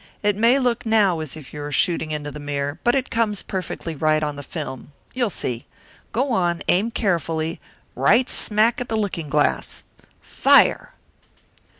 It may look now as if you were shooting into the mirror but it comes perfectly right on the film. You'll see. Go on, aim carefully, right smack at that looking glass fire!"